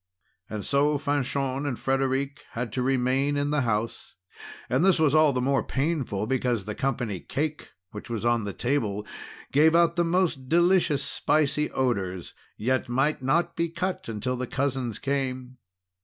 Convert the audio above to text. And so Fanchon and Frederic had to remain in the house; and this was all the more painful, because the company cake, which was on the table, gave out the most delicious spicy odours, yet might not be cut until the cousins came.